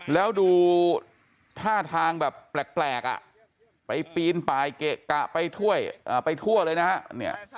แล้วดูท่าทางแบบแปลกไปปีนปลายเกะกะไปทั่วเลยนะฮะ